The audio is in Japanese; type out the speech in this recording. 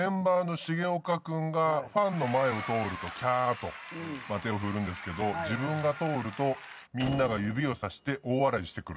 ファンの前を通ると「キャー」と手を振るんですけど自分が通るとみんなが指をさして大笑いしてくる。